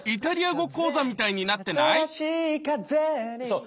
そう。